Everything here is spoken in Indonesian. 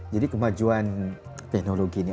jadi kemajuan teknologi ini